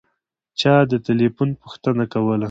چا د تیلیفون پوښتنه کوله.